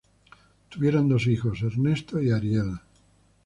Tuvieron dos hijos, Ernesto y Ariel.